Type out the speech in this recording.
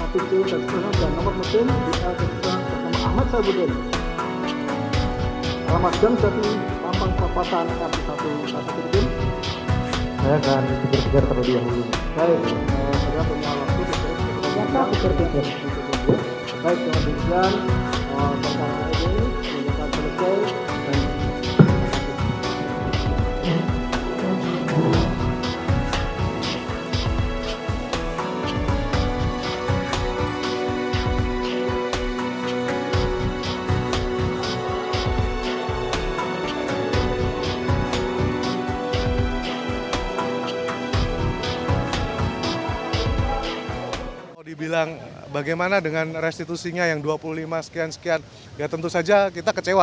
kalau dibilang bagaimana dengan restitusinya yang dua puluh lima sekian sekian ya tentu saja kita kecewa